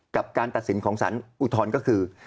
การตัดสินของสารอุทธรณ์ก็คือ